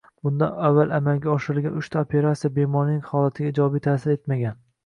Bundan avval amalga oshirilgan uchta operatsiya bemorning holatiga ijobiy taʼsir etmagan.